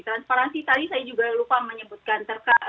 transparansi tadi saya juga lupa menyebutkan